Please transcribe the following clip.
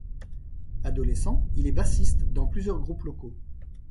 Adolescent, il est bassiste dans plusieurs groupes locaux.